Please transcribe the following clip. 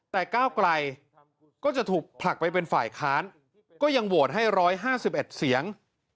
แต่ก้าวไกลก็จะถูกผลักไปเป็นฝ่ายค้านก็ยังโหวตให้๑๕๑เสียง